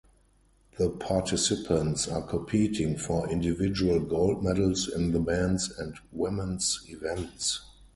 The participants are competing for individual gold medals in the men's and women's events.